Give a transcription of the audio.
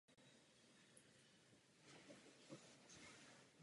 Strom roste ve smíšených lesích.